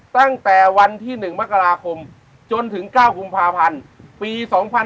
ตั้งแต่วันที่๑มกราคมจนถึง๙กุมภาพันธ์ปี๒๕๖๒